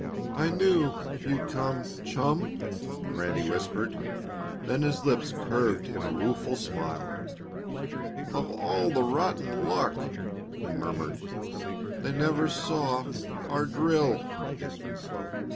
"I knew you'd come chum," Ranny whispered. Then his lips curved in a rueful smile. "Of all the rotten luck!" he murmured. "They never saw our drill."